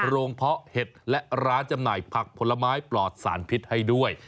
เพาะเห็ดและร้านจำหน่ายผักผลไม้ปลอดสารพิษให้ด้วย